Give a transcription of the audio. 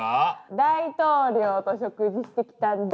大統領と食事してきたんだ。